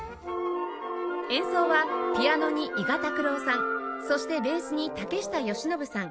演奏はピアノに伊賀拓郎さんそしてベースに竹下欣伸さん